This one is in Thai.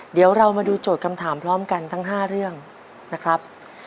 เดี๋ยวเรามาดูโจทย์คำถามพร้อมกันทั้ง๕เรื่องนะครับ